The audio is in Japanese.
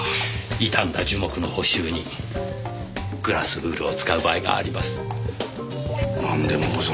傷んだ樹木の補修にグラスウールを使う場合があります。